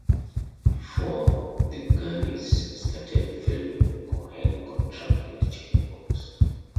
Before "The Goonies" started filming, Cohen contracted chicken pox.